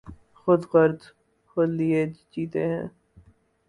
خود غرض خود لئے جیتے ہیں۔